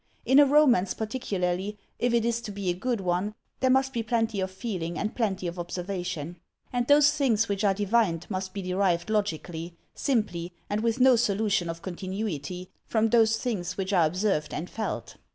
In a romance particularly, if it is to be a good one, there must be plenty of feeling and plenty of observation ; and those things which are divined must be derived logically, simply, and with no solution of continuity, from those things which are observed and felt.